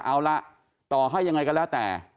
เอาละต่อให้ยังไงก็แล้วแต่